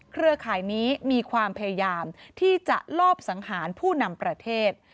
เครือข่ายนี้มีความพยายามที่จะลอบสังหารผู้นำประเทศ